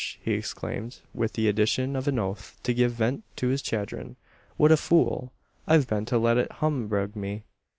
he exclaimed, with the addition of an oath to give vent to his chagrin. "What a fool I've been to let it humbug me!